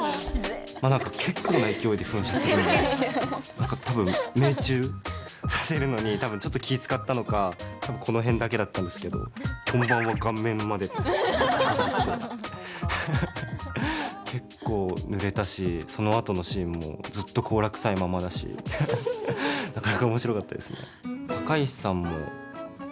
結構な勢いで噴射するので多分、命中させるのに多分ちょっと気を遣ったのかこの辺だけだったんですけどぶわっとかけてきて結構ぬれたしそのあとのシーンもずっとコーラ臭いままだしなかなかおもしろかったですね。